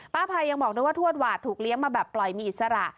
พายยังบอกด้วยว่าทวดหวาดถูกเลี้ยงมาแบบปล่อยมีอิสระ